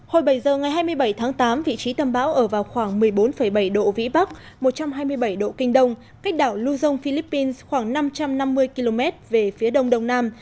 hồi bảy giờ ngày hai mươi bảy tháng tám vị trí tâm bão ở vào khoảng một mươi bốn bảy độ vĩ bắc một trăm hai mươi bảy độ kinh đông cách đảo luzon philippines khoảng năm trăm năm mươi km về phía đông đông nam